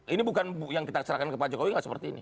ini bukan yang kita serahkan kepada jokowi enggak seperti ini